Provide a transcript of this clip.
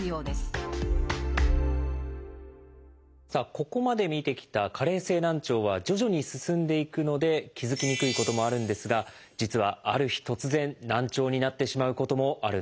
ここまで見てきた加齢性難聴は徐々に進んでいくので気付きにくいこともあるんですが実はある日突然難聴になってしまうこともあるんです。